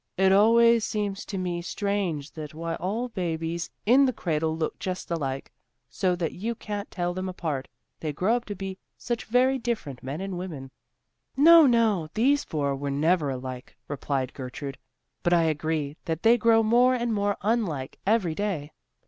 It always seems to me strange that while all babies in the cradle look just alike, so that you can't tell them apart, they grow up to be such very different men and women." "No, no, these four were never alike," replied Gertrude, "but I agree that they grow more and more unlike every day."